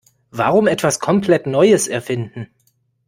Warum etwas komplett Neues erfinden?